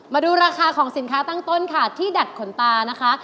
มาดูราคาของสินค้าตั้งต้นค่ะที่ดัดขนตานะคะ